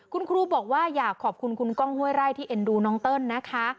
คุณครูบอกว่าอยากขอบคุณคุณก้องห้วยไร่ที่เอ็นดูน้องเติ้ลนะคะ